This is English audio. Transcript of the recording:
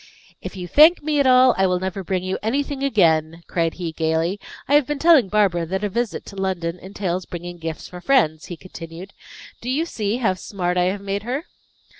"If you thank me at all, I will never bring you anything again," cried he, gaily. "I have been telling Barbara that a visit to London entails bringing gifts for friends," he continued. "Do you see how smart I have made her?"